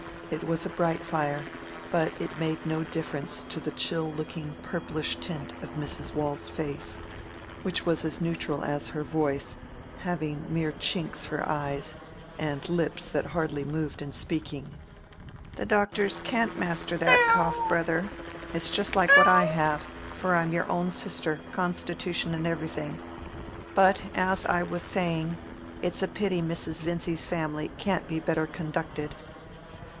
It was a bright fire, but it made no difference to the chill looking purplish tint of Mrs. Waule's face, which was as neutral as her voice; having mere chinks for eyes, and lips that hardly moved in speaking. "The doctors can't master that cough, brother. It's just like what I have; for I'm your own sister, constitution and everything. But, as I was saying, it's a pity Mrs. Vincy's family can't be better conducted."